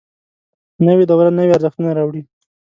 نوې دوره نوي ارزښتونه راوړي